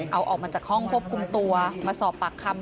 เอาออกมาจากห้องควบคุมตัวมาสอบปากคำ